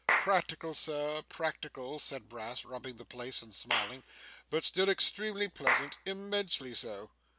'Practical, sir, practical,' said Brass, rubbing the place and smiling; 'but still extremely pleasant immensely so!